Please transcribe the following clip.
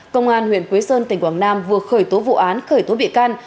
công an huyện quế sơn tỉnh quảng nam vừa khởi tố vụ án khởi tố bị can